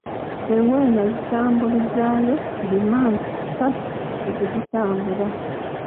Engoye nazitambulizaayo dimansi ssatu nga tezitambula.